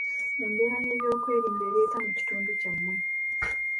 Embeera y'ebyokwerinda eri etya mu kitundu kyammwe.